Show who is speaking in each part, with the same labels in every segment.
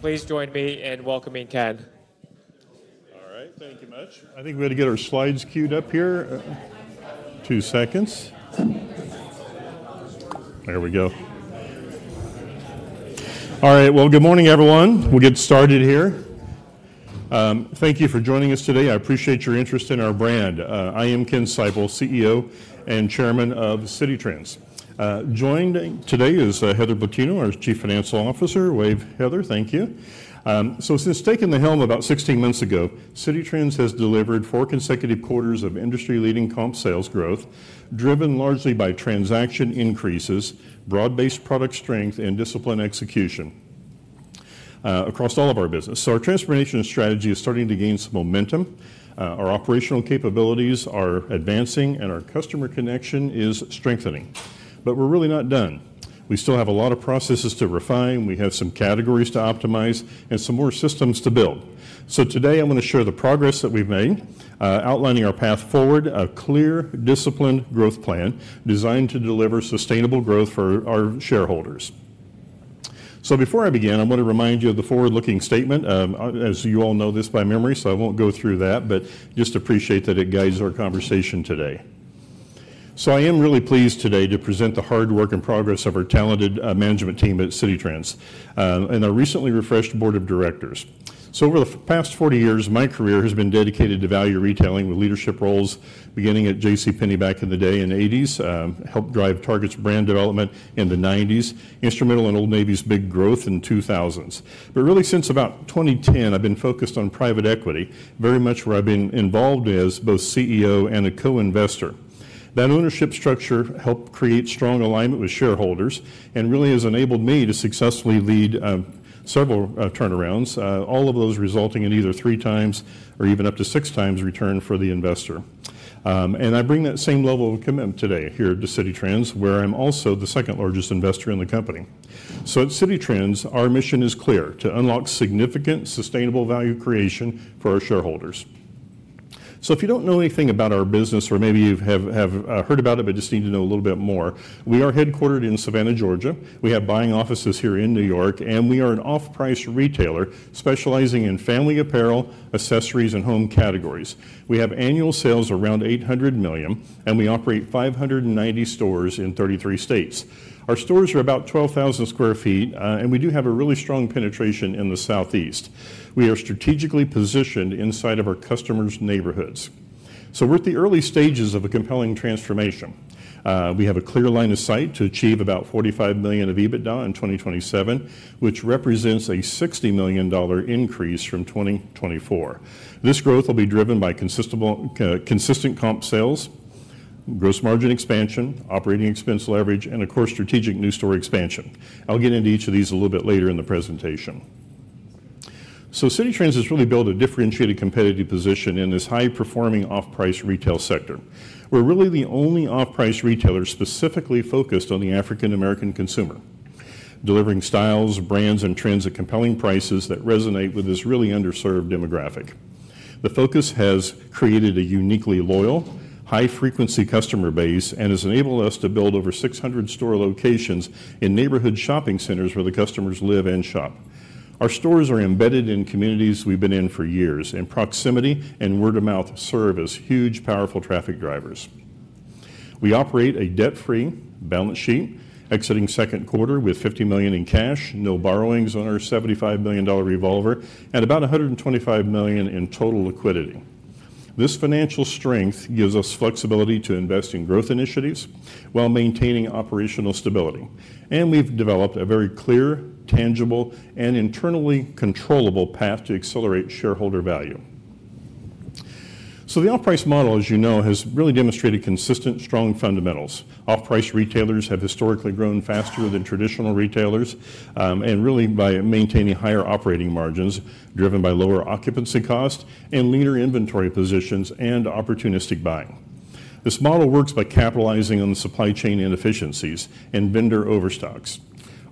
Speaker 1: Please join me in welcoming Ken.
Speaker 2: All right, thank you [Mitch] I think we had to get our slides queued up here. Two seconds. There we go. All right, good morning everyone. We'll get started here. Thank you for joining us today. I appreciate your interest in our brand. I am Ken Seipel, CEO and Chairman of Citi Trends. Joining today is Heather Plutino, our Chief Financial Officer. Wave, Heather, thank you. Since taking the helm about 16 months ago, Citi Trends has delivered four consecutive quarters of industry-leading comp sales growth, driven largely by transaction increases, broad-based product strength, and discipline execution across all of our business. Our transformation strategy is starting to gain some momentum. Our operational capabilities are advancing, and our customer connection is strengthening. We're really not done. We still have a lot of processes to refine, we have some categories to optimize, and some more systems to build. Today I want to share the progress that we've made, outlining our path forward, a clear, disciplined growth plan designed to deliver sustainable growth for our shareholders. Before I begin, I want to remind you of the forward-looking statement. As you all know this by memory, I won't go through that, but just appreciate that it guides our conversation today. I am really pleased today to present the hard work and progress of our talented management team at Citi Trends and our recently refreshed Board of Directors. Over the past 40 years, my career has been dedicated to value retailing with leadership roles beginning at JCPenney back in the day in the 1980s, helped drive Target's brand development in the 1990s, instrumental in Old Navy's big growth in the 2000s. Since about 2010, I've been focused on private equity, very much where I've been involved as both CEO and a co-investor. That ownership structure helped create strong alignment with shareholders and really has enabled me to successfully lead several turnarounds, all of those resulting in either three times or even up to six times return for the investor. I bring that same level of commitment today here to Citi Trends, where I'm also the second largest investor in the company. At Citi Trends, our mission is clear: to unlock significant sustainable value creation for our shareholders. If you don't know anything about our business or maybe you have heard about it but just need to know a little bit more, we are headquartered in Savannah, Georgia. We have buying offices here in New York, and we are an off-price retailer specializing in family apparel, accessories, and home categories. We have annual sales around $800 million, and we operate 590 stores in 33 states. Our stores are about 12,000 square feet, and we do have a really strong penetration in the Southeast. We are strategically positioned inside of our customers' neighborhoods. We're at the early stages of a compelling transformation. We have a clear line of sight to achieve about $45 million of EBITDA in 2027, which represents a $60 million increase from 2024. This growth will be driven by consistent comp sales, gross margin expansion, operating expense leverage, and, of course, strategic new store expansion. I'll get into each of these a little bit later in the presentation. Citi Trends has really built a differentiated competitive position in this high-performing off-price retail sector. We're really the only off-price retailer specifically focused on the African American consumer, delivering styles, brands, and trends at compelling prices that resonate with this really underserved demographic. The focus has created a uniquely loyal, high-frequency customer base and has enabled us to build over 600 store locations in neighborhood shopping centers where the customers live and shop. Our stores are embedded in communities we've been in for years, and proximity and word-of-mouth serve as huge, powerful traffic drivers. We operate a debt-free balance sheet, exiting second quarter with $50 million in cash, no borrowings on our $75 million revolver, and about $125 million in total liquidity. This financial strength gives us flexibility to invest in growth initiatives while maintaining operational stability. We've developed a very clear, tangible, and internally controllable path to accelerate shareholder value. The off-price model, as you know, has really demonstrated consistent, strong fundamentals. Off-price retailers have historically grown faster than traditional retailers and really by maintaining higher operating margins driven by lower occupancy costs and leaner inventory positions and opportunistic buying. This model works by capitalizing on the supply chain inefficiencies and vendor overstocks.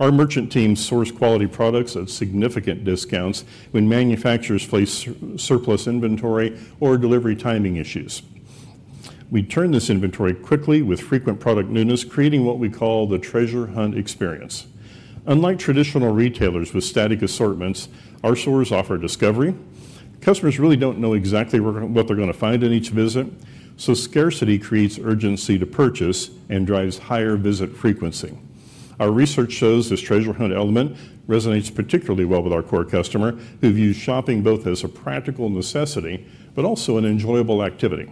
Speaker 2: Our merchant teams source quality products at significant discounts when manufacturers face surplus inventory or delivery timing issues. We turn this inventory quickly with frequent product newness, creating what we call the treasure hunt experience. Unlike traditional retailers with static assortments, our stores offer discovery. Customers really don't know exactly what they're going to find in each visit, so scarcity creates urgency to purchase and drives higher visit frequency. Our research shows this treasure hunt element resonates particularly well with our core customer, who view shopping both as a practical necessity but also an enjoyable activity.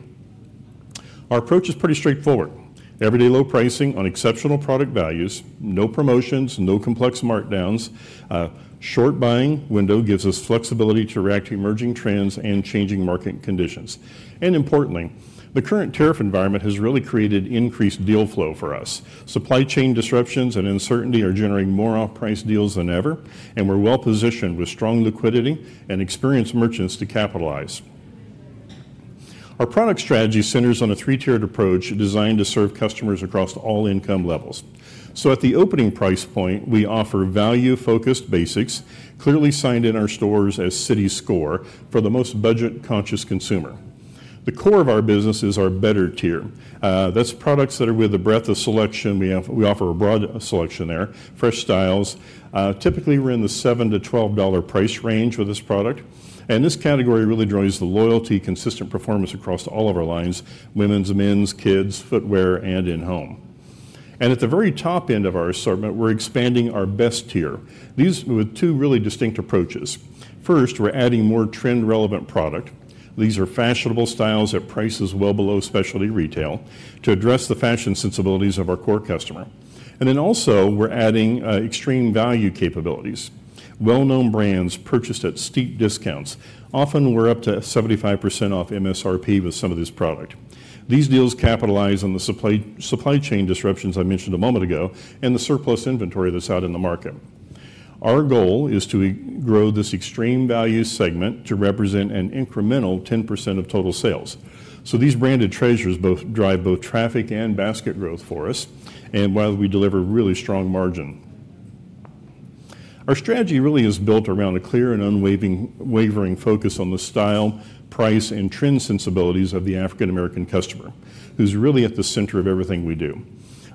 Speaker 2: Our approach is pretty straightforward: everyday low pricing on exceptional product values, no promotions, no complex markdowns. A short buying window gives us flexibility to react to emerging trends and changing market conditions. Importantly, the current tariff environment has really created increased deal flow for us. Supply chain disruptions and uncertainty are generating more off-price deals than ever, and we're well positioned with strong liquidity and experienced merchants to capitalize. Our product strategy centers on a three-tiered approach designed to serve customers across all income levels. At the opening price point, we offer value-focused basics, clearly signed in our stores as Citi's core for the most budget-conscious consumer. The core of our business is our better tier. That's products that are with a breadth of selection. We offer a broad selection there, fresh styles. Typically, we're in the $7-$12 price range with this product. This category really drives the loyalty, consistent performance across all of our lines: women's, men's, kids', footwear, and in-home. At the very top end of our assortment, we're expanding our best tier. These are with two really distinct approaches. First, we're adding more trend-relevant product. These are fashionable styles at prices well below specialty retail to address the fashion sensibilities of our core customer. Also, we're adding extreme value capabilities. Well-known brands purchase at steep discounts. Often, we're up to 75% off MSRP with some of this product. These deals capitalize on the supply chain disruptions I mentioned a moment ago and the surplus inventory that's out in the market. Our goal is to grow this extreme value segment to represent an incremental 10% of total sales. These branded treasures drive both traffic and basket growth for us, and while we deliver really strong margin, our strategy really is built around a clear and unwavering focus on the style, price, and trend sensibilities of the African American customer, who's really at the center of everything we do.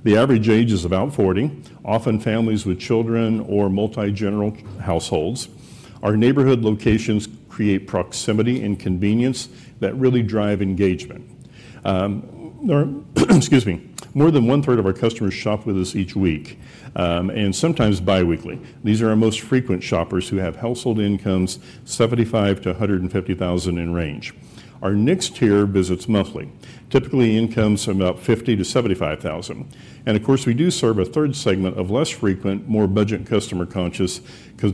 Speaker 2: The average age is about 40, often families with children or multi-generational households. Our neighborhood locations create proximity and convenience that really drive engagement. More than 1/3 of our customers shop with us each week, and sometimes biweekly. These are our most frequent shoppers who have household incomes $75,000-$150,000 in range. Our next tier visits monthly, typically incomes from about $50,000-$75,000. Of course, we do serve 1/3 segment of less frequent, more budget-conscious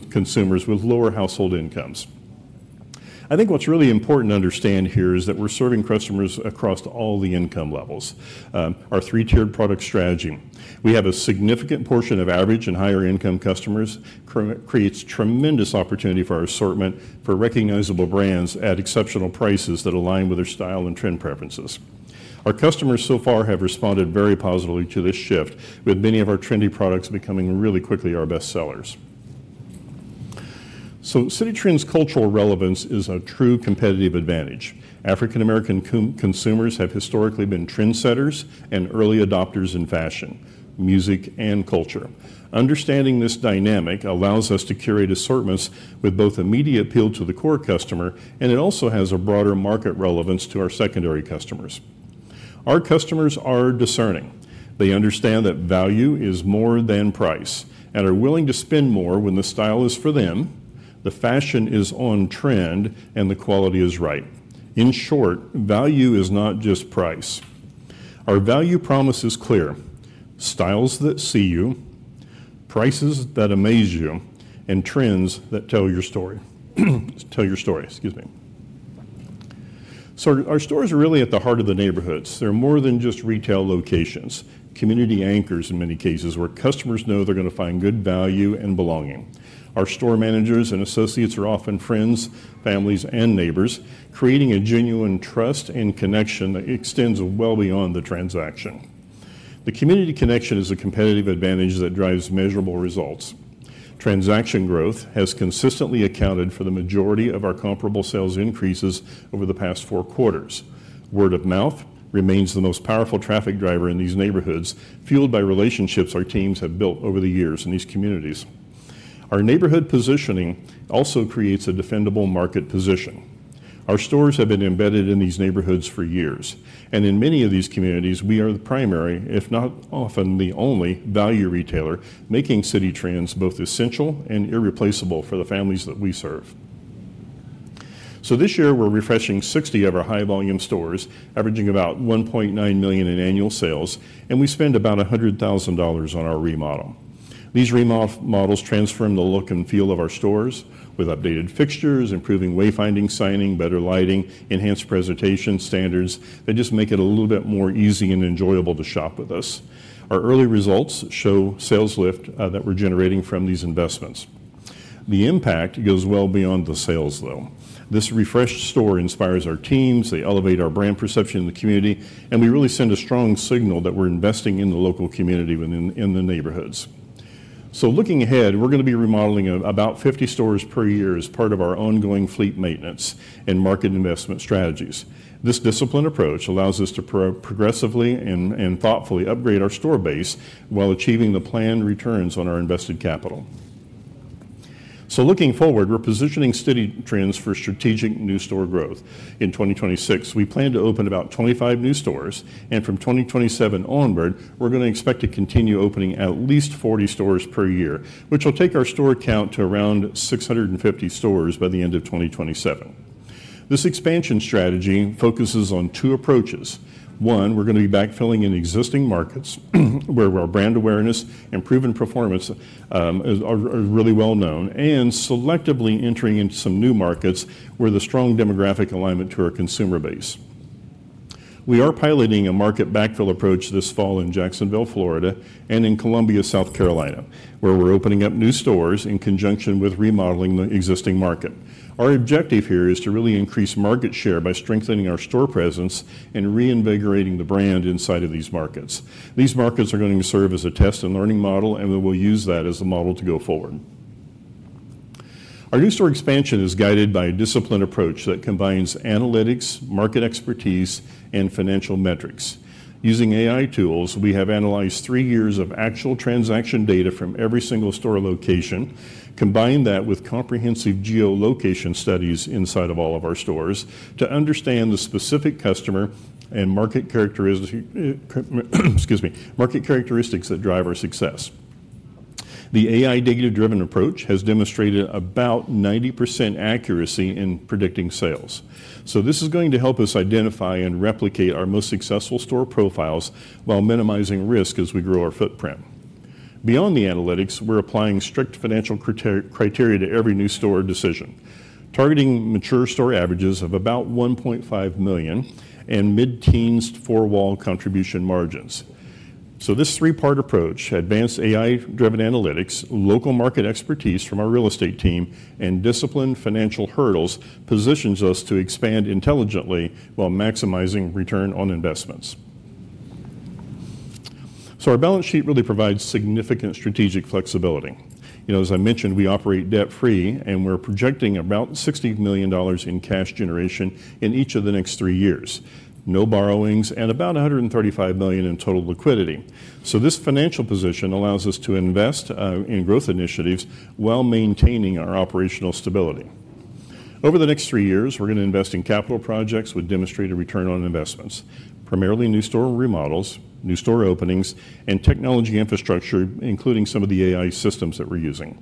Speaker 2: consumers with lower household incomes. I think what's really important to understand here is that we're serving customers across all the income levels. Our three-tiered product strategy, with a significant portion of average and higher-income customers, creates tremendous opportunity for our assortment for recognizable brands at exceptional prices that align with their style and trend preferences. Our customers so far have responded very positively to this shift, with many of our trendy products becoming really quickly our best sellers. Citi Trends cultural relevance is a true competitive advantage. African American consumers have historically been trendsetters and early adopters in fashion, music, and culture. Understanding this dynamic allows us to curate assortments with both immediate appeal to the core customer, and it also has a broader market relevance to our secondary customers. Our customers are discerning. They understand that value is more than price and are willing to spend more when the style is for them, the fashion is on trend, and the quality is right. In short, value is not just price. Our value promise is clear: styles that see you, prices that amaze you, and trends that tell your story. Tell your story. Our stores are really at the heart of the neighborhoods. They're more than just retail locations, community anchors in many cases, where customers know they're going to find good value and belonging. Our store managers and associates are often friends, families, and neighbors, creating a genuine trust and connection that extends well beyond the transaction. The community connection is a competitive advantage that drives measurable results. Transaction growth has consistently accounted for the majority of our comparable sales increases over the past four quarters. Word of mouth remains the most powerful traffic driver in these neighborhoods, fueled by relationships our teams have built over the years in these communities. Our neighborhood positioning also creates a defendable market position. Our stores have been embedded in these neighborhoods for years, and in many of these communities, we are the primary, if not often the only, value retailer, making Citi Trends both essential and irreplaceable for the families that we serve. This year, we're refreshing 60 of our high-volume stores, averaging about $1.9 million in annual sales, and we spend about $100,000 on our remodel. These remodels transform the look and feel of our stores with updated fixtures, improving wayfinding signage, better lighting, enhanced presentation standards, and just make it a little bit more easy and enjoyable to shop with us. Our early results show sales lift that we're generating from these investments. The impact goes well beyond the sales, though. This refreshed store inspires our teams, they elevate our brand perception in the community, and we really send a strong signal that we're investing in the local community within the neighborhoods. Looking ahead, we're going to be remodeling about 50 stores per year as part of our ongoing fleet maintenance and market investment strategies. This disciplined approach allows us to progressively and thoughtfully upgrade our store base while achieving the planned returns on our invested capital. Looking forward, we're positioning Citi Trends for strategic new store growth. In 2026, we plan to open about 25 new stores, and from 2027 onward, we're going to expect to continue opening at least 40 stores per year, which will take our store count to around 650 stores by the end of 2027. This expansion strategy focuses on two approaches. One, we're going to be backfilling in existing markets where our brand awareness and proven performance are really well known, and selectively entering into some new markets where there is strong demographic alignment to our consumer base. We are piloting a market backfill approach this fall in Jacksonville, Florida, and in Columbia, South Carolina, where we're opening up new stores in conjunction with remodeling the existing market. Our objective here is to really increase market share by strengthening our store presence and reinvigorating the brand inside of these markets. These markets are going to serve as a test and learning model, and we will use that as a model to go forward. Our new store expansion is guided by a disciplined approach that combines analytics, market expertise, and financial metrics. Using AI tools, we have analyzed three years of actual transaction data from every single store location, combined that with comprehensive geolocation studies inside of all of our stores to understand the specific customer and market characteristics that drive our success. The AI data-driven approach has demonstrated about 90% accuracy in predicting sales. This is going to help us identify and replicate our most successful store profiles while minimizing risk as we grow our footprint. Beyond the analytics, we're applying strict financial criteria to every new store decision, targeting mature store averages of about $1.5 million and mid-teens four-wall contribution margins. This three-part approach, advanced AI-driven analytics, local market expertise from our real estate team, and disciplined financial hurdles positions us to expand intelligently while maximizing return on investments. Our balance sheet really provides significant strategic flexibility. As I mentioned, we operate debt-free, and we're projecting about $60 million in cash generation in each of the next three years, no borrowings, and about $135 million in total liquidity. This financial position allows us to invest in growth initiatives while maintaining our operational stability. Over the next three years, we're going to invest in capital projects with demonstrated return on investments, primarily new store remodels, new store openings, and technology infrastructure, including some of the AI systems that we're using.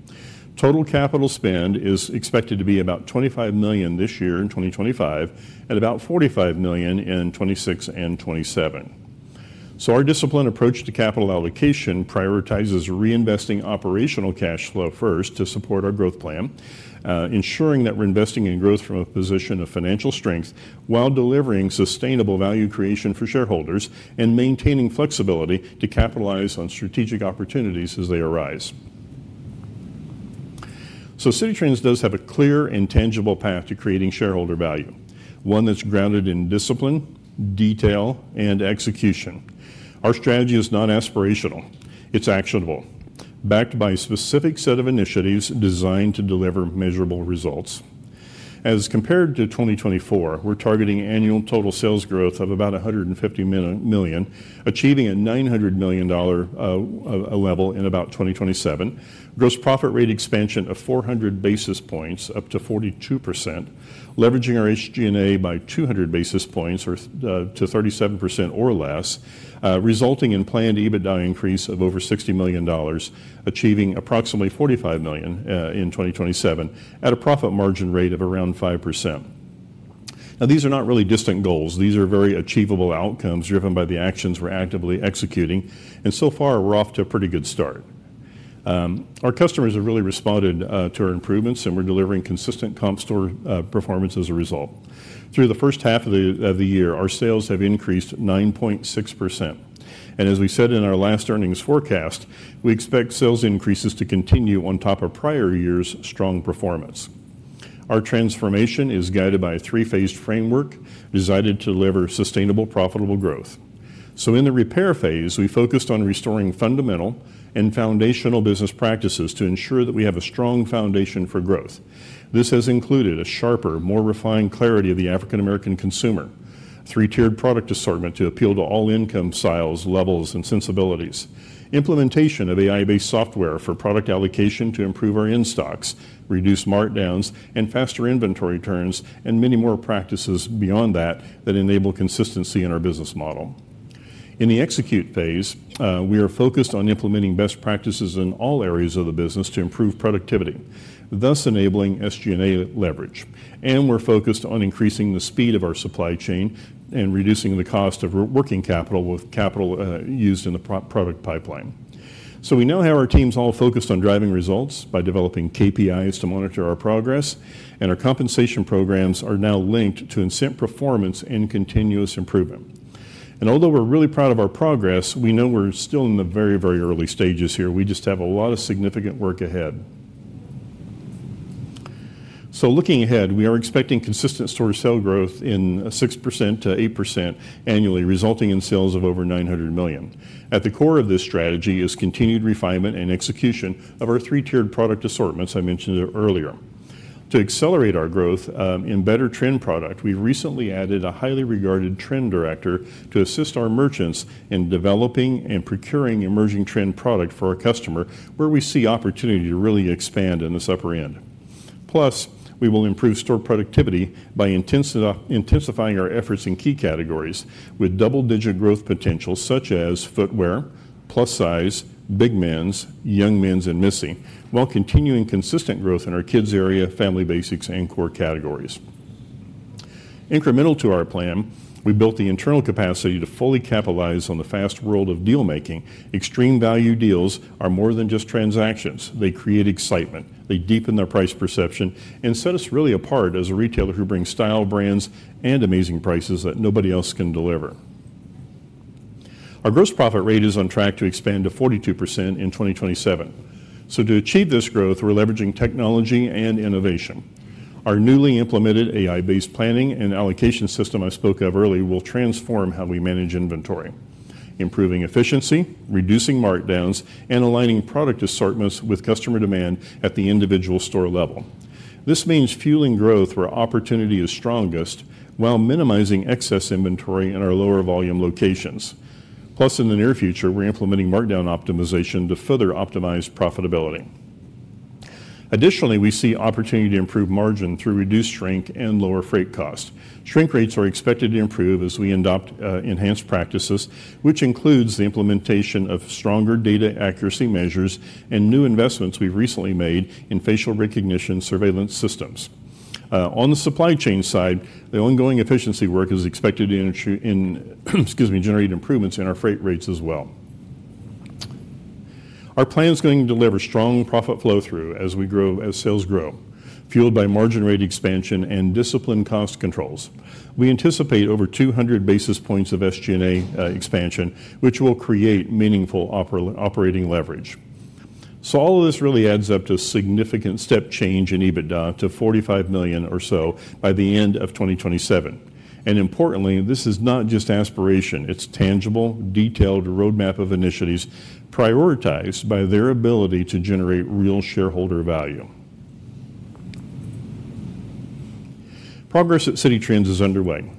Speaker 2: Total capital spend is expected to be about $25 million this year in 2025 and about $45 million in 2026 and 2027. Our disciplined approach to capital allocation prioritizes reinvesting operational cash flow first to support our growth plan, ensuring that we're investing in growth from a position of financial strength while delivering sustainable value creation for shareholders and maintaining flexibility to capitalize on strategic opportunities as they arise. Citi Trends does have a clear and tangible path to creating shareholder value, one that's grounded in discipline, detail, and execution. Our strategy is not aspirational. It's actionable, backed by a specific set of initiatives designed to deliver measurable results. As compared to 2024, we're targeting annual total sales growth of about $150 million, achieving a $900 million level in about 2027, gross profit rate expansion of 400 basis points up to 42%, leveraging our SG&A by 200 basis points to 37% or less, resulting in planned EBITDA increase of over $60 million, achieving approximately $45 million in 2027 at a profit margin rate of around 5%. These are not really distant goals. These are very achievable outcomes driven by the actions we're actively executing. So far, we're off to a pretty good start. Our customers have really responded to our improvements, and we're delivering consistent comp store performance as a result. Through the first half of the year, our sales have increased 9.6%. As we said in our last earnings forecast, we expect sales increases to continue on top of prior year's strong performance. Our transformation is guided by a three-phased framework designed to deliver sustainable, profitable growth. In the repair phase, we focused on restoring fundamental and foundational business practices to ensure that we have a strong foundation for growth. This has included a sharper, more refined clarity of the African American consumer, three-tiered product assortment to appeal to all income styles, levels, and sensibilities, implementation of AI-based software for product allocation to improve our in-stocks, reduce markdowns, and faster inventory turns, and many more practices beyond that that enable consistency in our business model. In the execute phase, we are focused on implementing best practices in all areas of the business to improve productivity, thus enabling SG&A leverage. We're focused on increasing the speed of our supply chain and reducing the cost of working capital with capital used in the product pipeline. We now have our teams all focused on driving results by developing KPIs to monitor our progress, and our compensation programs are now linked to incent performance and continuous improvement. Although we're really proud of our progress, we know we're still in the very, very early stages here. We just have a lot of significant work ahead. Looking ahead, we are expecting consistent store sale growth in 6%-8% annually, resulting in sales of over $900 million. At the core of this strategy is continued refinement and execution of our three-tiered product assortments I mentioned earlier. To accelerate our growth in better trend product, we've recently added a highly regarded trend director to assist our merchants in developing and procuring emerging trend product for our customer, where we see opportunity to really expand in this upper end. Plus, we will improve store productivity by intensifying our efforts in key categories with double-digit growth potential, such as footwear, plus-size, big men's, young men's, and missy, while continuing consistent growth in our kids' area, family basics, and core categories. Incremental to our plan, we built the internal capacity to fully capitalize on the fast world of deal-making. Extreme value deals are more than just transactions. They create excitement. They deepen our price perception and set us really apart as a retailer who brings style, brands, and amazing prices that nobody else can deliver. Our gross profit rate is on track to expand to 42% in 2027. To achieve this growth, we're leveraging technology and innovation. Our newly implemented AI-based planning and allocation system I spoke of earlier will transform how we manage inventory, improving efficiency, reducing markdowns, and aligning product assortments with customer demand at the individual store level. This means fueling growth where opportunity is strongest while minimizing excess inventory in our lower volume locations. Plus, in the near future, we're implementing markdown optimization to further optimize profitability. Additionally, we see opportunity to improve margin through reduced shrink and lower freight costs. Shrink rates are expected to improve as we adopt enhanced practices, which includes the implementation of stronger data accuracy measures and new investments we've recently made in facial recognition surveillance systems. On the supply chain side, the ongoing efficiency work is expected to generate improvements in our freight rates as well. Our plan is going to deliver strong profit flow-through as we grow, as sales grow, fueled by margin rate expansion and disciplined cost controls. We anticipate over 200 basis points of SG&A leverage, which will create meaningful operating leverage. All of this really adds up to a significant step change in EBITDA to $45 million or so by the end of 2027. Importantly, this is not just aspiration. It's a tangible, detailed roadmap of initiatives prioritized by their ability to generate real shareholder value. Progress at Citi Trends is underway.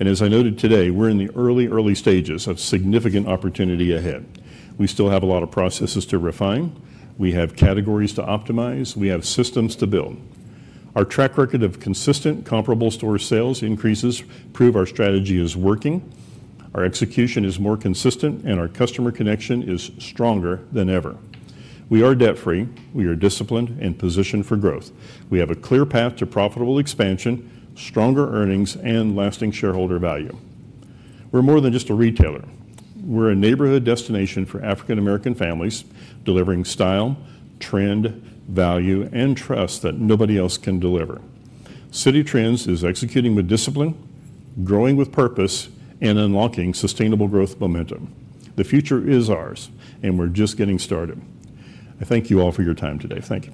Speaker 2: As I noted today, we're in the early, early stages of significant opportunity ahead. We still have a lot of processes to refine. We have categories to optimize. We have systems to build. Our track record of consistent comparable store sales increases prove our strategy is working. Our execution is more consistent, and our customer connection is stronger than ever. We are debt-free. We are disciplined and positioned for growth. We have a clear path to profitable expansion, stronger earnings, and lasting shareholder value. We're more than just a retailer. We're a neighborhood destination for African American families, delivering style, trend, value, and trust that nobody else can deliver. Citi Trends is executing with discipline, growing with purpose, and unlocking sustainable growth momentum. The future is ours, and we're just getting started. I thank you all for your time today. Thank you.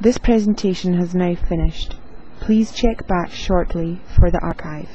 Speaker 3: This presentation has now finished. Please check back shortly for the archive.